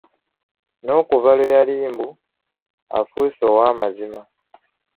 N'okuva lwe yali mbu afuuse owaamazima.